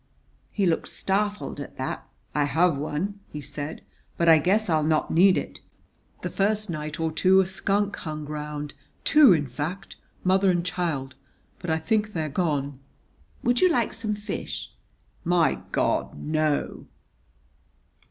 He looked startled at that. "I have one," he said; "but I guess I'll not need it. The first night or two a skunk hung round; two, in fact mother and child but I think they're gone." "Would you like some fish?" "My God, no!"